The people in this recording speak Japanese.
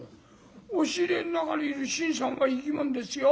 押し入れの中に新さんがいるんですよ。